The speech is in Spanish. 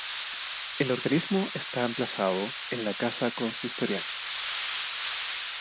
El organismo está emplazado en la Casa consistorial.